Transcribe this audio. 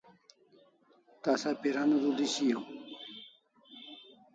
Tasa piran udul'i shiau